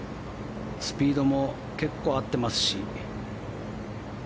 スピードも結構合ってますし。